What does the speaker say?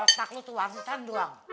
otak lu tuh warisan doang